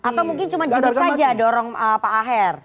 atau mungkin cuma duduk saja dorong pak aher